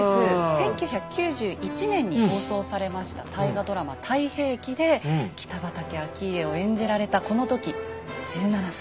１９９１年に放送されました大河ドラマ「太平記」で北畠顕家を演じられたこの時１７歳。